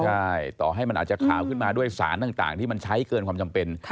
ใช่ต่อให้มันอาจจะขาวขึ้นมาด้วยสารต่างที่มันใช้เกินความจำเป็น